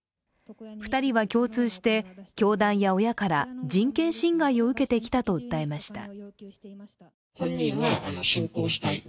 ２人は共通して教団や親から人権障害を受けてきたと訴えました。